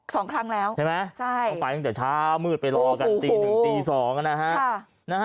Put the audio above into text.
สองครั้งแล้วใช่ไหมใช่เขาไปตั้งแต่เช้ามืดไปรอกันตีหนึ่งตีสองนะฮะ